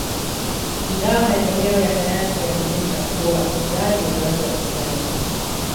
Ingawa maendeleo ya sayansi yanaonesha kuwa uzazi unaweza usifanyike